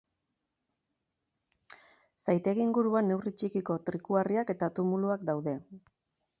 Zaitegi inguruan neurri txikiko trikuharriak eta tumuluak daude.